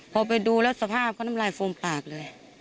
พอไปดูแล้วสภาพเขาน้ำลายฟูมปากเลย